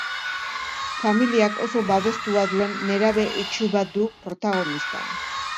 Familiak oso babestua duen nerabe itsu bat du protagonista.